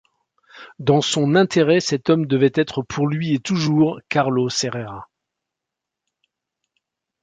Dans son intérêt, cet homme devait être pour lui et toujours, Carlos Herrera.